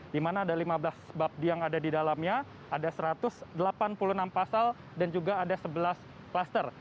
di mana ada lima belas bab yang ada di dalamnya ada satu ratus delapan puluh enam pasal dan juga ada sebelas klaster